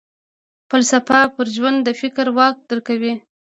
فلسفه پر ژوند د فکر واک درکوي.